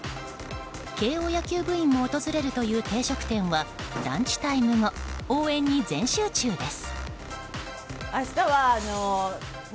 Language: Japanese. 慶応野球部員も訪れるという定食店はランチタイム後応援に全集中です。